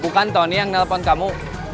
bukan tony yang nelpon kamu